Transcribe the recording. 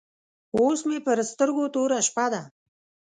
اوس مې پر سترګو توره شپه ده.